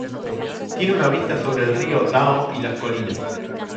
Tiene una vista sobre el Río Dão y las colinas.